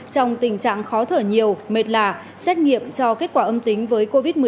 trong tình trạng khó thở nhiều mệt là xét nghiệm cho kết quả âm tính với covid một mươi chín